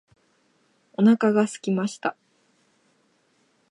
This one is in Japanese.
お腹がすきました。